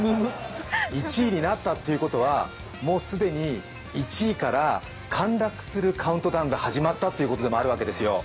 １位になったということはもう既に１位から陥落するカウントダウンが始まったってことでもあるわけですよ。